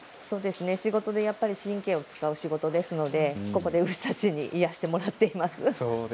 仕事で神経をつかいますのでここで牛たちに癒やしてもらっています。